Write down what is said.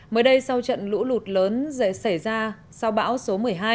mới đây sau trận lũ lụt lớn xảy ra sau bão số một mươi hai